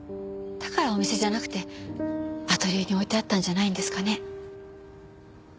だからお店じゃなくてアトリエに置いてあったんじゃないんですかね？